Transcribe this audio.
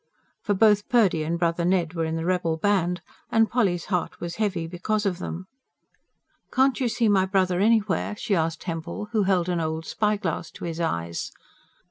For both Purdy and brother Ned were in the rebel band, and Polly's heart was heavy because of them. "Can't you see my brother anywhere?" she asked Hempel, who held an old spyglass to his eyes.